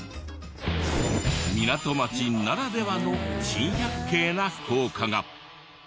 港町ならではの珍百景な校歌が。